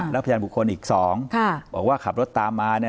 แล้วพยานบุคคลอีก๒บอกว่าขับรถตามมา